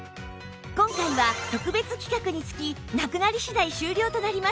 今回は特別企画につきなくなり次第終了となります